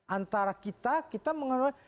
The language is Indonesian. antara kita kita mengenal